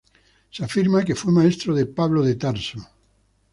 Se afirma que fue maestro de Pablo de Tarso.